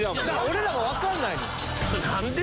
俺らもわかんないのよ。